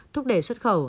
thúc đẩy xuất khẩu